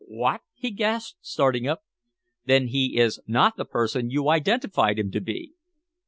"What!" he gasped, starting up. "Then he is not the person you identified him to be?"